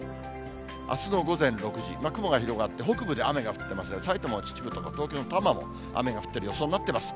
あすの午前６時、雲が広がって、北部で雨が降ってますが、埼玉の秩父とか、東京の多摩も雨が降る予想になってます。